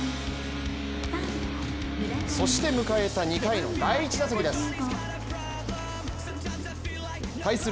そして迎えた２回の第１打席です。